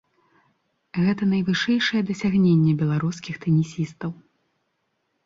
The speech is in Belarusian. Гэта найвышэйшае дасягненне беларускіх тэнісістаў.